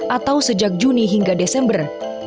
atau sejak juni hingga desember